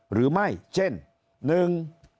หรือไม่เช่น